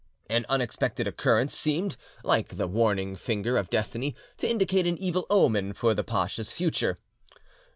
An unexpected occurrence seemed, like the warning finger of Destiny, to indicate an evil omen for the pacha's future.